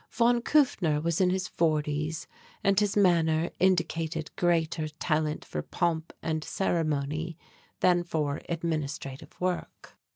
Von Kufner was in his forties and his manner indicated greater talent for pomp and ceremony than for administrative work.